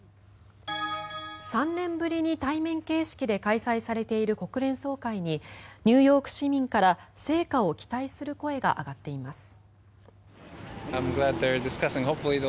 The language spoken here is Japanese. ３年ぶりに対面形式で開催されている国連総会にニューヨーク市民から成果を期待する声が上がっています。